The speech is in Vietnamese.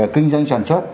kinh doanh sản xuất